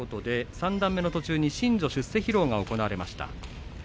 三段目の途中で新序出世披露が行われました。